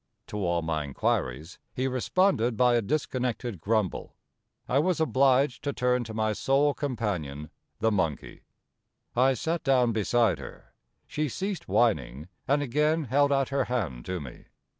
To all my inquiries he responded by a dis connected grumble. I was obliged to turn to my sole companion, the monkey. I sat down beside her ; she ceased whining, and again held out her hand to me.